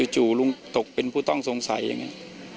จู่ลุงตกเป็นผู้ต้องสงสัยอย่างนี้